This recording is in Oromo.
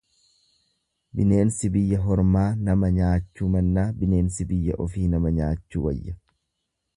Bineensi biyya hormaa nama nyaachuu mannaa bineensi biyya ofii nama nyaachuu wayya.